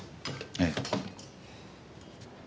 ええ。